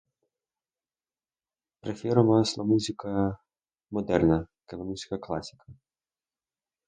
Prefiero más la música moderna que la música clásica.